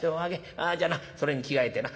ああじゃなそれに着替えてな。